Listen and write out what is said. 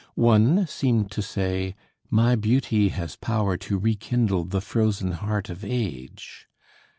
One seemed to say: "My beauty has power to rekindle the frozen heart of age."